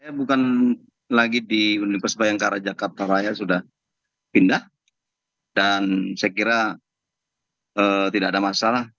saya bukan lagi di universitas bayangkara jakarta raya sudah pindah dan saya kira tidak ada masalah